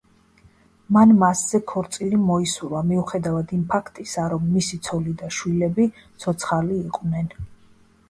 მან მასზე ქორწილი მოუსრვა, მიუხედავად იმ ფაქტისა, რომ მისი ცოლი და შვილები ცოცხალი იყვნენ.